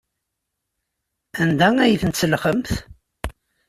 Anda ay ten-tselxemt?